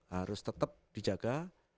harus tetap dijaga